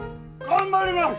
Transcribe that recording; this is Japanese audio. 頑張ります！